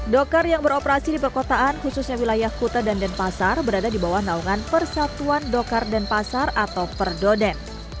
dokar yang beroperasi di perkotaan khususnya wilayah kuto danden pasar berada di bawah naungan persatuan dokar danden pasar atau perdoden